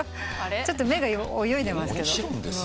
ちょっと目が泳いでますけど。